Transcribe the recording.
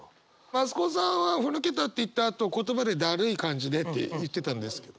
増子さんは腑抜けたって言ったあと言葉でだるい感じでって言ってたんですけど。